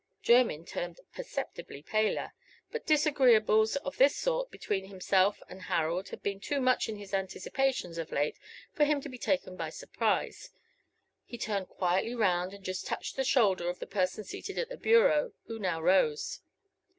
Jermyn turned perceptibly paler, but disagreeables of this sort between himself and Harold had been too much in his anticipations of late for him to be taken by surprise. He turned quietly round and just touched the shoulder of the person seated at the bureau, who now rose.